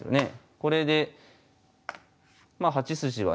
これでまあ８筋はね